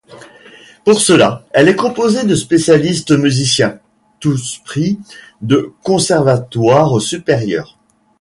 Pour cela, elle est composée de spécialistes musiciens, tous prix de conservatoires supérieurs.